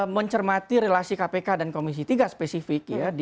mencermati relasi kpk dan komisi tiga spesifik